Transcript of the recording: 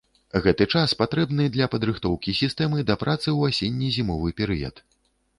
Гэты час патрэбны для падрыхтоўкі сістэмы да працы ў асенне-зімовы перыяд.